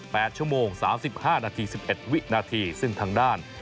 ชั่วโมงสามสิบห้านาทีสิบเอ็ดวินาทีซึ่งทางด้าน